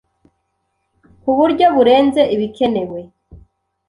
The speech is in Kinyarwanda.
kuburyo burenze ibikenewe